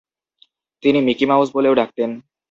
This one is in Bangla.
তিনি "মিকি মাউস" বলেও ডাকতেন।